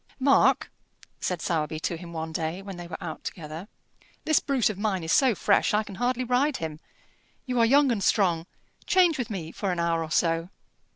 "Mark," said Sowerby to him one day, when they were out together, "this brute of mine is so fresh, I can hardly ride him; you are young and strong; change with me for an hour or so."